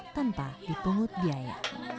tanpa dipungut biaya